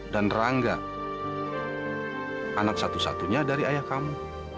dan rangga anak satu satunya dari ayah kamu